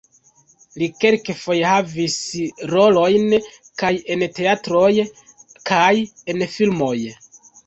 Li kelkfoje havis rolojn kaj en teatroj, kaj en filmoj.